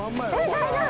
大丈夫？